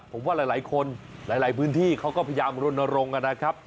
ผมว่าหลายคนหลายพื้นที่เขาก็พยายามรณรงค์นะครับ